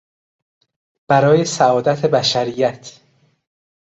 برای سعادت بشریت